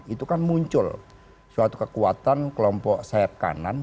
itu kan muncul suatu kekuatan kelompok sayap kanan